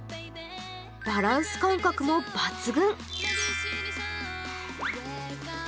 バランス感覚も抜群。